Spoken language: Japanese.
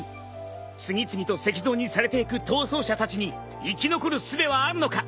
次々と石像にされていく逃走者たちに生き残るすべはあるのか？